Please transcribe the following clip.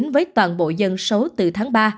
với toàn bộ dân số từ tháng ba